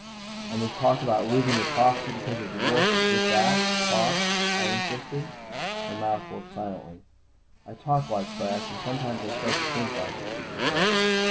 "And this talk about losing your prophecy because of divorce was just that, talk?" I insisted. Her mouth worked silently. "I talk like trash, and sometimes I start to think like it," she confessed.